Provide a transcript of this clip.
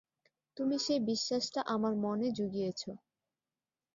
তুমি সেই বিশ্বাসটা আমার মনে জুগিয়েছ।